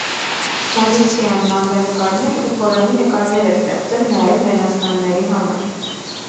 Գալիցիան մանրանկարներ ու խորանի նկարներ է ստեղծել նաև մենաստանների համար։